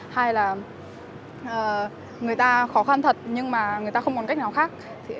hai là người ta khó khăn thật nhưng mà người ta không còn cách nào khác